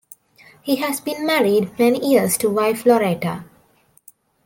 He has been married many years to wife Loretta.